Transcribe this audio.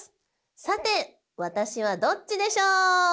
さて私はどっちでしょう？